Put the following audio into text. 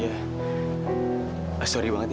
aduh aku minta maaf banget wak